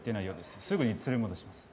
すぐに連れ戻します。